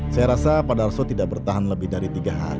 saya rasa pak darso tidak bertahan lebih dari tiga hari